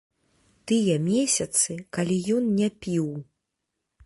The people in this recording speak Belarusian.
Тыя месяцы, калі ён не піў.